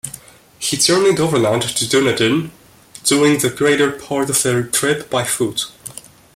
He journeyed overland to Dunedin doing the greater part of the trip by foot.